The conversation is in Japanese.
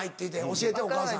「教えてお母さん」。